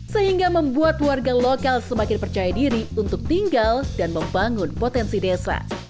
sehingga membuat warga lokal semakin percaya diri untuk tinggal dan membangun potensi desa